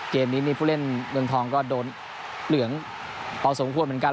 เกมนี้นี่ผู้เล่นเมืองทองก็โดนเหลืองพอสมควรเหมือนกัน